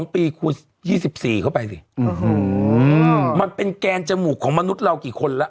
๒ปีคูณ๒๔เข้าไปสิมันเป็นแกนจมูกของมนุษย์เรากี่คนแล้ว